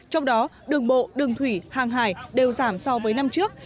trong đó đường bộ đường thủy hàng hải đều giảm so với năm trước